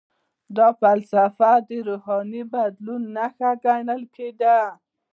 دا فلسفه د روحاني بدلون نښه ګڼل کیده.